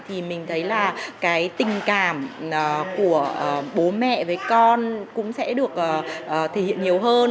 thì mình thấy là cái tình cảm của bố mẹ với con cũng sẽ được thể hiện nhiều hơn